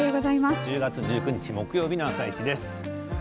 １０月１９日木曜日の「あさイチ」です。